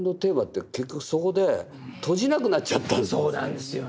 そうなんですよね。